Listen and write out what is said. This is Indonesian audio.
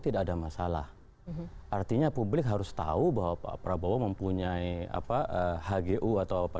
tidak ada masalah artinya publik harus tahu bahwa pak prabowo mempunyai apa hgu atau apa